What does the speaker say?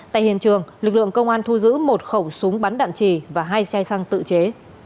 tại hiện trường lực lượng công an thu giữ một khẩu súng bắn đạn trì và hai xe xăng tự chế